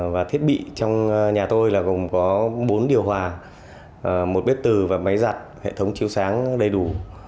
và thiết bị trong nhà tôi là gồm có bốn điều hòa một bếp tử và máy giặt hệ thống chiếu sáng đầy đủ